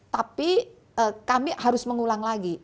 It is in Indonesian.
tapi kami harus mengulang lagi